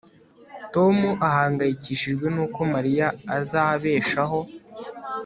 tom ahangayikishijwe nuko mariya azabeshaho